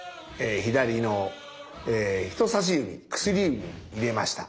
左の人さし指薬指に入れました。